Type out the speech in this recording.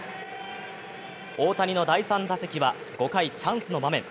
大谷の第３打席は５回チャンスの場面。